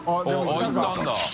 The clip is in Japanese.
あっいったんだ。